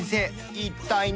一体何？